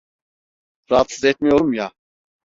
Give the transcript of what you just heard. Rahatsız etmiyorum ya?